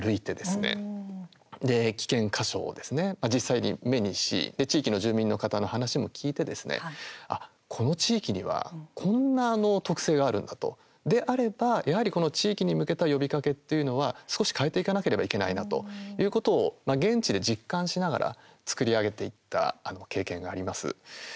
危険箇所を実際に目にし地域の住民の方の話も聞いてですね、この地域にはこんな特性があるんだとであれば、この地域に向けた呼びかけっていうのは少し変えていかなければいけないなということを現地で実感しながら作り上げていった経験があります。